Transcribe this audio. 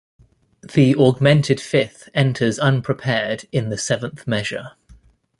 The augmented fifth enters unprepared in the seventh measure.